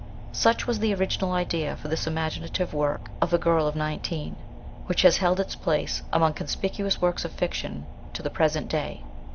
Such was the original idea for this imaginative work of a girl of nineteen, which has held its place among conspicuous works of fiction to the present day.